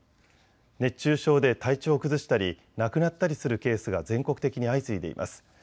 熱中症で体調を崩したり亡くなったりするケースが全国的に相次いでいます。